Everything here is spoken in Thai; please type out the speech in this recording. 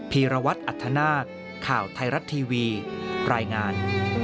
ีรวัตรอัธนาคข่าวไทยรัฐทีวีรายงาน